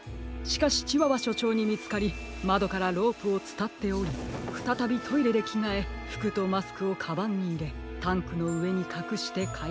しかしチワワしょちょうにみつかりまどからロープをつたっておりふたたびトイレできがえふくとマスクをカバンにいれタンクのうえにかくしてか